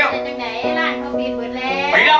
มันจะเป็นยังไงละกับปีศเวิร์ดแรง